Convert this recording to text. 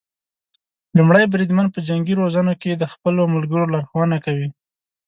لومړی بریدمن په جنګي روزنو کې د خپلو ملګرو لارښونه کوي.